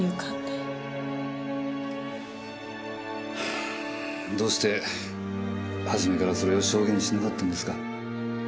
はぁどうして初めからそれを証言しなかったんですか？